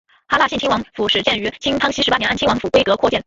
喀喇沁亲王府始建于清康熙十八年按亲王府规格扩建。